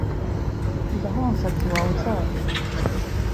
Nzi aho umusatsi wawe uzajya